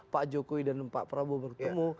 pak jokowi dan pak prabowo bertemu